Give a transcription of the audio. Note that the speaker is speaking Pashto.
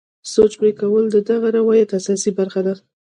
سوچ پرې کول د دغه روایت اساسي برخه ده.